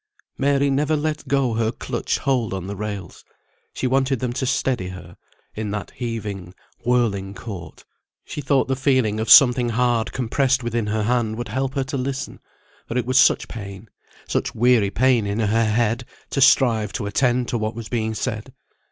Mary never let go her clutched hold on the rails. She wanted them to steady her, in that heaving, whirling court. She thought the feeling of something hard compressed within her hand would help her to listen, for it was such pain, such weary pain in her head, to strive to attend to what was being said.